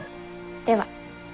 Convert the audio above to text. では。